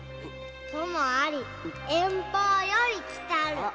〔「朋あり遠方より来たる」！〕